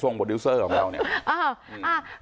โปรดิวเซอร์ของเราเนี่ย